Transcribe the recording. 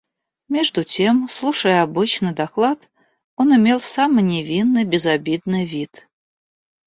Между тем, слушая обычный доклад, он имел самый невинный, безобидный вид.